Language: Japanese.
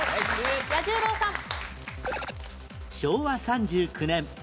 彌十郎さん。